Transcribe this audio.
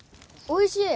おいしい！